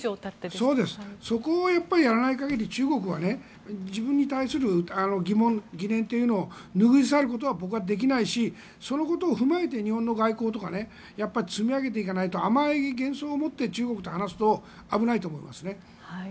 そこをやらない限り中国は自分に対する疑念というのを拭い去ることは僕はできないしそのことを踏まえて日本の外交とか積み上げていかないと甘い幻想を持って中国と話すと危ないと思いますね。